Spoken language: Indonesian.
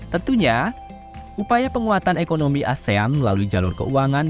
tentunya upaya penguatan ekonomi asean melalui jalur keuangan